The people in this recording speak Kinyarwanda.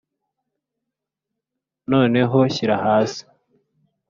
noneho shyira hasi